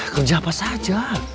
kerja apa saja